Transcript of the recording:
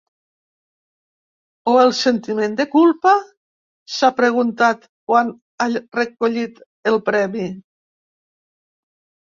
O el sentiment de culpa?, s’ha preguntat quan ha recollit el premi.